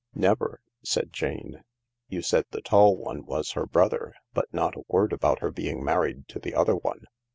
" Never," said Jane. " You said the tall one was her brother, but not a word about her being married to the other one.